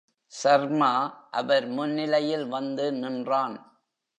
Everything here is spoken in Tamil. சர்மா அவர் முன்னிலையில் வந்து நின்றான்.